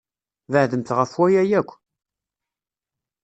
Beɛdemt ɣef waya akk!